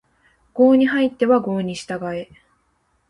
郷に入っては郷に従え